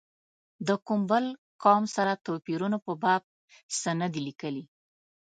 د کوم بل قوم سره توپیرونو په باب څه نه دي لیکلي.